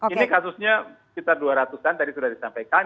ini kasusnya sekitar dua ratus an tadi sudah disampaikan